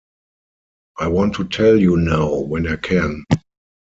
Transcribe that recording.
I want to tell you now when I can.